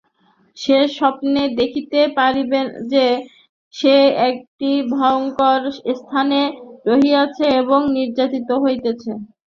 সে স্বপ্নে দেখিতে পাইবে যে, সে একটি ভয়ঙ্কর স্থানে রহিয়াছে এবং নির্যাতিত হইতেছে।